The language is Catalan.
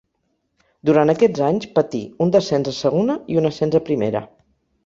Durant aquests anys patí un descens a Segona i un ascens a Primera.